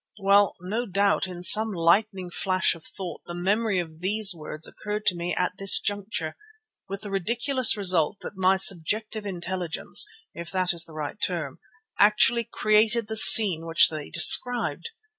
Well, no doubt in some lightning flash of thought the memory of these words occurred to me at this juncture, with the ridiculous result that my subjective intelligence, if that is the right term, actually created the scene which they described.